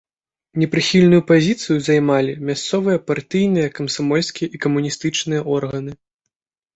Непрыхільную пазіцыю займалі мясцовыя партыйныя, камсамольскія і камуністычныя органы.